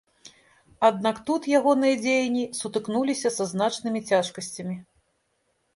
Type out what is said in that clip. Аднак тут ягоныя дзеянні сутыкнуліся са значнымі цяжкасцямі.